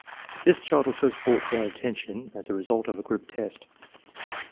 This child was first brought to our attention as a result of a group test.